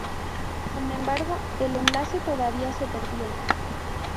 Sin embargo, el enlace todavía se perdió.